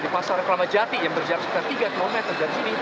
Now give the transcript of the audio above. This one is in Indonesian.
di pasar keramajati yang berjarak sekitar tiga km dari sini